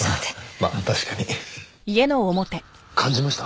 まあ確かに。感じました？